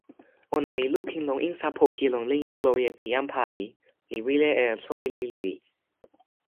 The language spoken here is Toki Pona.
ona li lukin lon insa poki lon linja loje pi jan pali, li wile e soweli lili.